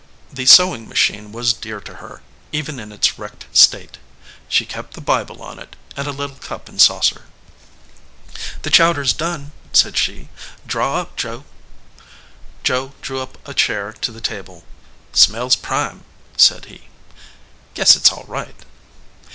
The sewing machine was dear to her, even in its wrecked state. She kept the Bible on it, and a little cup and saucer. "The chowder s done," said she. "Draw up, Joe." Joe drew up a chair to the table. "Smells prime," said he. "Guess it s all right."